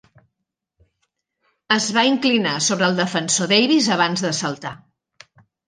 Es va inclinar sobre el defensor Davis abans de saltar.